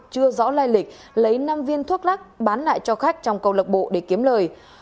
chưa rõ lai lịch lấy năm viên thuốc lắc bán lại cho khách trong câu lạc bộ để kiếm lời